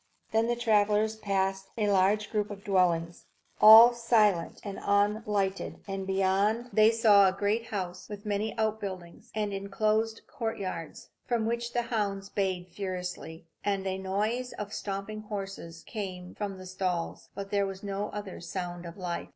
Then the travellers passed a larger group of dwellings, all silent and unlighted; and beyond, they saw a great house, with many outbuildings and enclosed courtyards, from which the hounds bayed furiously, and a noise of stamping horses came from the stalls. But there was no other sound of life.